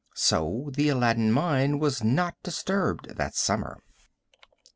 So the Aladdin mine was not disturbed that summer.